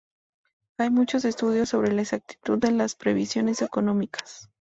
Hay muchos estudios sobre la exactitud de las previsiones económicas.